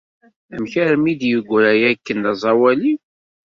Amek armi d-yegra akken d aẓawali?